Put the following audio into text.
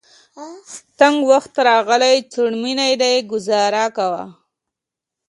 تنګ وخت راغلی. څوړ منی دی ګذاره کوه.